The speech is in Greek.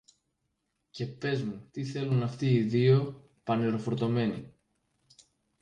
και πες μου τι θέλουν αυτοί οι δυο πανεροφορτωμένοι.